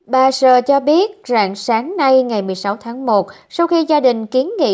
bà sờ cho biết rằng sáng nay ngày một mươi sáu tháng một sau khi gia đình kiến nghị